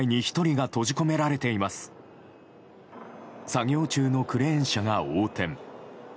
作業中のクレーン車が横転。